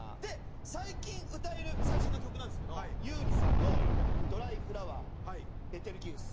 最近歌える最新の曲なんですけど優里さんの『ドライフラワー』『ベテルギウス』。